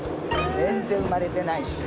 全然生まれてないでしょ。